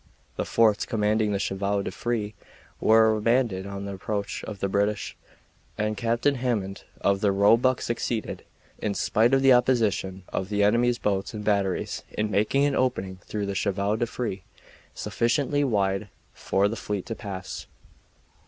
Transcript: The forts commanding the chevaux de frise were abandoned on the approach of the British, and Captain Hammond of the Roebuck succeeded, in spite of the opposition of the enemy's boats and batteries, in making an opening through the chevaux de frise sufficiently wide for the fleet to pass.